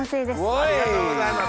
ありがとうございます。